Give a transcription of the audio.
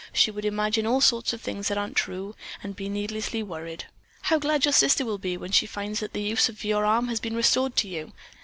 She would imagine all sorts of things that aren't true, and be needlessly worried." "How glad your sister will be when she finds that the use of your arm has been restored to you."